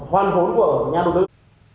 hoàn vốn của nhà nước